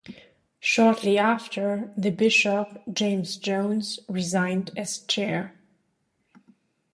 Shortly after, the bishop, James Jones, resigned as chair.